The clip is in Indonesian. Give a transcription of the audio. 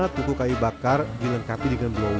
buku kayu bakar dilengkapi dengan blower